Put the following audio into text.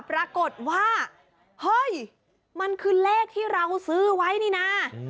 ปรากฏว่าเฮ้ยมันคือเลขที่เราซื้อไว้นี่นะ